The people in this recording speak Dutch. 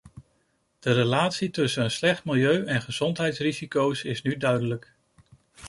De relatie tussen een slecht milieu en gezondheidsrisico's is nu duidelijk.